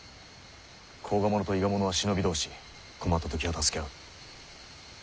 甲賀者と伊賀者は忍び同士困った時は助け合う。